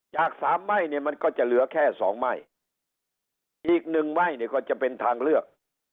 จากสามไม่มันก็จะเหลือสามอีกหนึ่งไม่ขนั่นก็จะเป็นทางเลือก